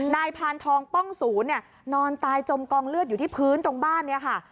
นายพานทองป้องศูนย์เนี่ยนอนตายจมกองเลือดอยู่ที่พื้นตรงบ้านเนี่ยค่ะ